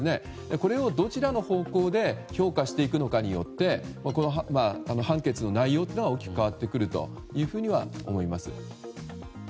これを、どちらの方向で評価していくのかによって判決の内容が大きく変わってくると思います。